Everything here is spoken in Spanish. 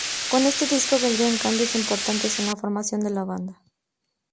Con este disco vendrían cambios importantes en la formación de la banda.